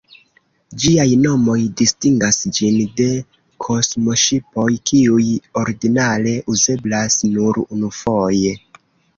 Ĝiaj nomoj distingas ĝin de kosmoŝipoj, kiuj ordinare uzeblas nur unufoje.